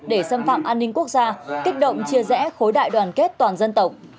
để xâm phạm an ninh quốc gia kích động chia rẽ khối đại đoàn kết toàn dân tộc